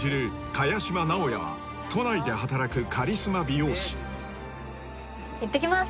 萱島直哉は都内で働くカリスマ美容師行ってきます